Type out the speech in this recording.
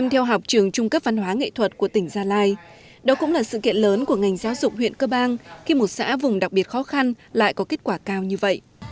theo học trường trung cấp văn hóa nghệ thuật của tỉnh gia lai đó cũng là sự kiện lớn của ngành giáo dục huyện cơ bang khi một xã vùng đặc biệt khó khăn lại có kết quả cao như vậy